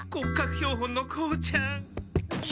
標本のコーちゃん！？